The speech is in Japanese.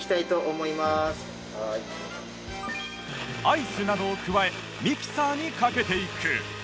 アイスなどを加えミキサーにかけていく